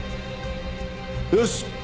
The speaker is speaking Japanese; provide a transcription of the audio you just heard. よし！